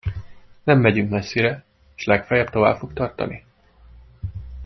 Nem megyünk messzire, és legfeljebb tovább fog tartani.